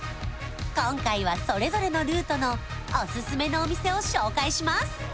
今回はそれぞれのルートのオススメのお店を紹介します